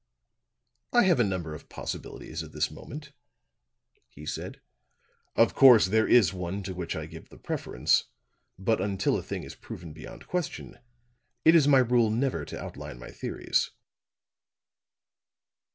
"I have a number of possibilities at this moment," he said. "Of course, there is one to which I give the preference; but until a thing is proven beyond question, it is my rule never to outline my theories."